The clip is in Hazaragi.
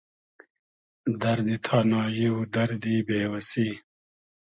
دئردی تانایی و دئردی بې وئسی